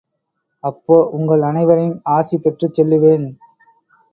அப்போ உங்கள் அனைவரின் ஆசி பெற்றுச் செல்லுவேன்.